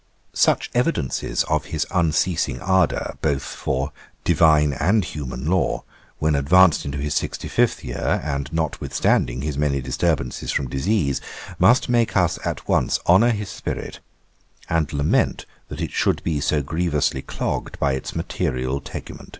Such evidences of his unceasing ardour, both for 'divine and human lore,' when advanced into his sixty fifth year, and notwithstanding his many disturbances from disease, must make us at once honour his spirit, and lament that it should be so grievously clogged by its material tegument.